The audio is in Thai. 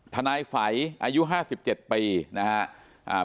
ทนายไฝอายุ๕๗ปีนะครับ